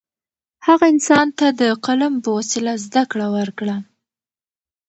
هغه انسان ته د قلم په وسیله زده کړه ورکړه.